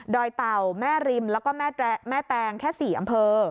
เต่าแม่ริมแล้วก็แม่แตงแค่๔อำเภอ